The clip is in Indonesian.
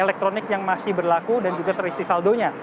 elektronik yang masih berlaku dan juga terisi saldonya